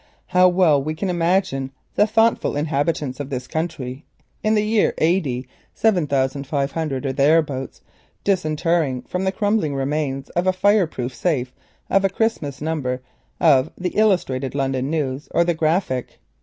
How well we can imagine the thoughtful inhabitant of this country Anno Domini 7500 or thereabouts disinterring from the crumbling remains of a fireproof safe a Christmas number of the Illustrated London News or the Graphic.